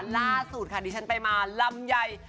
ลาสุดดิฉันไปมารำใหญ่